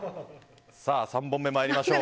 ３本目、参りましょう。